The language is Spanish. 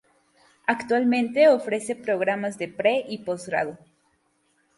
Actualmente, ofrece programas de pre- y posgrado.